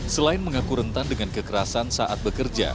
selain mengaku rentan dengan kekerasan saat bekerja